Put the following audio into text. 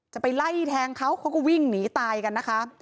จะไปไล่แทงเขาเขาก็วิ่งหนีตายกันนะคะ